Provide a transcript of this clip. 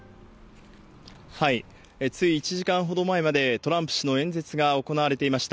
はい、つい１時間ほど前までトランプ氏の演説が行われていました。